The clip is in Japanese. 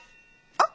あっ！